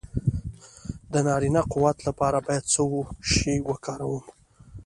د نارینه قوت لپاره باید څه شی وکاروم؟